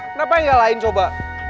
kenapa gak lain coba